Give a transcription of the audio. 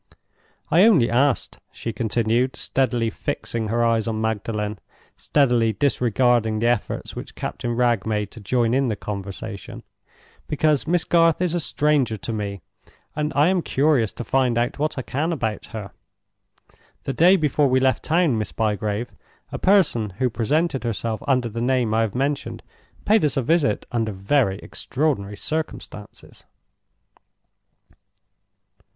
"I only asked," she continued, steadily fixing her eyes on Magdalen, steadily disregarding the efforts which Captain Wragge made to join in the conversation, "because Miss Garth is a stranger to me, and I am curious to find out what I can about her. The day before we left town, Miss Bygrave, a person who presented herself under the name I have mentioned paid us a visit under very extraordinary circumstances."